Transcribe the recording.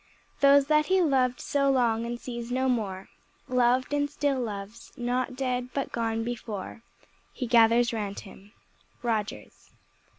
"Those that he loved so long and sees no more, Loved and still loves, not dead, but gone before, He gathers round him." _Rogers.